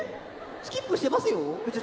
スキップしてますよ？